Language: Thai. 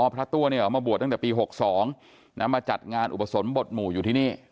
พระตัวมาบวชตั้งแต่ปี๖๒มาจัดงานอุปสรมบทหมู่อยู่ที่นี่